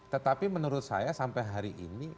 tetapi menurut saya sampai hari ini